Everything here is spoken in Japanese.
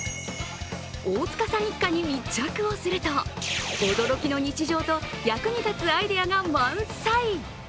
大塚さん一家に密着をすると驚きの日常と役に立つアイデアが満載。